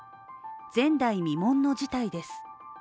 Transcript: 前代未聞の事態です。